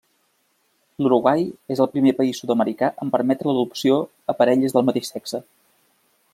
L'Uruguai és el primer país sud-americà en permetre l'adopció a parelles del mateix sexe.